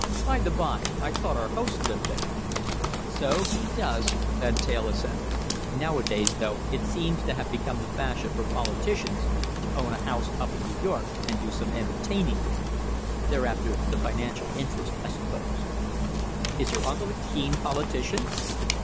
By the bye, I thought our host lived there." "So he does," Van Teyl assented. "Nowadays, though, it seems to have become the fashion for politicians to own a house up in New York and do some entertaining here. They're after the financial interest, I suppose." "Is your uncle a keen politician?"